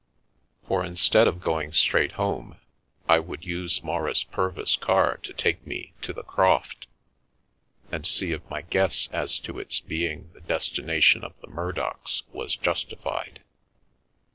For instead of going straight home, I would use Maurice Purvis* car to take me to " The Croft," and see if my guess as to its being the destination of the Murdocks was justified.